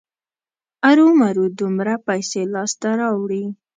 ارومرو دومره پیسې لاسته راوړي.